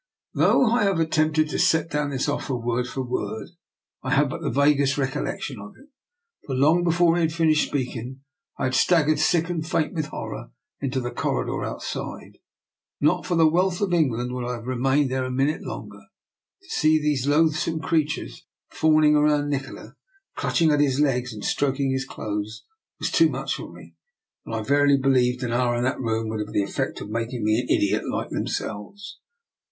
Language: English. Though I have attempted to set down his 12 174 DR. NIKOLA'S EXPERIMENT. oflfer word for word, I have but the vaguest recollection of it ; for, long before he had fin ished speaking, I had staggered, sick and faint with horror, into the corridor outside. Not for the wealth of England would I have remained there a minute longer. To see those loathsome creatures fawning round Nikola, clutching at his legs and stroking his clothes, was too much for me, and I verily be lieve an hour in that room would have had the effect of making me an idiot like them selves.